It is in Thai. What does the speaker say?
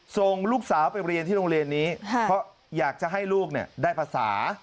ส่งลูกสาวไปเรียนที่โรงเรียนนี้เพราะอยากจะให้ลูกได้ภาษา